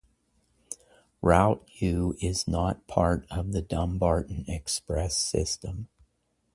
Route U is not part of the Dumbarton Express system.